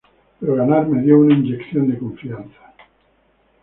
Pero ganar me dio una inyección de confianza".